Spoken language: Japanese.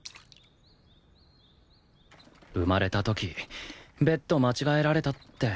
生まれた時ベッド間違えられたって